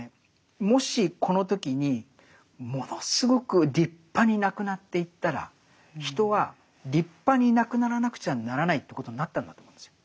もしこの時にものすごく立派に亡くなっていったら人は立派に亡くならなくちゃならないということになったんだと思うんですよ。